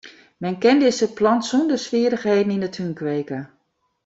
Men kin dizze plant sonder swierrichheden yn 'e tún kweke.